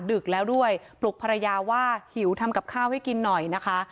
ดึกแล้วด้วยปลุกภรรยาว่าหิวทำกับข้าวให้กินหน่อยนะคะ